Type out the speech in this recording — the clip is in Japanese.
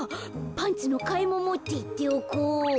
パンツのかえももっていっておこう。